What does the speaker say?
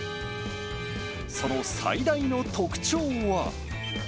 その最大の特徴は。